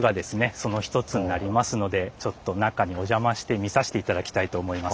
その一つになりますのでちょっと中におじゃまして見さして頂きたいと思います。